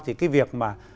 thì cái việc mà